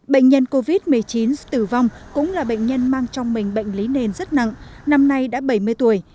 bệnh nhân covid một mươi chín tử vong cũng là bệnh nhân mang trong mình bệnh lý nền rất nặng năm nay đã bảy mươi tuổi